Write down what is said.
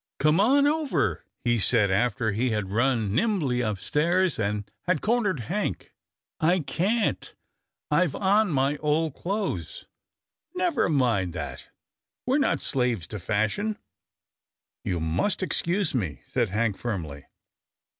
" Come on over," he said after he had run nimbly upstairs, and had cornered Hank. " I can't — I've on my old clothes." " Never mind that, we're not slaves to fash ion." " You must excuse me," said Hank firmly.